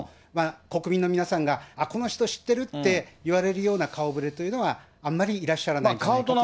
国民の皆さんが、あっ、この人知ってるって言われるような顔ぶれというのは、あんまりいらっしゃらないんじゃないかと。